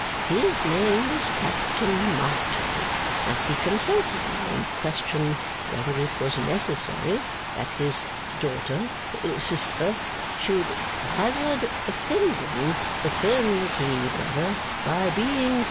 His name was Captain Martin; and he consulted me on the question whether it was necessary that his daughter sister should hazard offending the turnkey brother by being too ha!